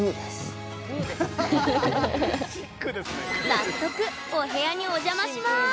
早速お部屋におじゃまします！